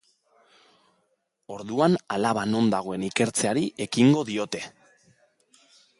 Orduan alaba non dagoen ikertzeari ekingo diote.